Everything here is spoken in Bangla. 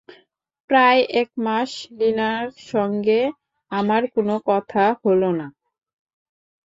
প্রায় একমাস লীনার সঙ্গে আমার কোনো কথা হল না।